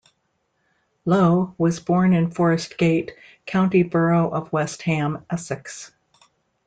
Lough was born in Forest Gate, County borough of West Ham, Essex.